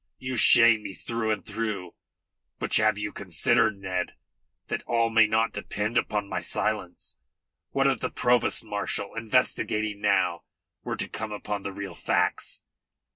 You shame me through and through. But have you considered, Ned, that all may not depend upon my silence? What if the provost marshal, investigating now, were to come upon the real facts?"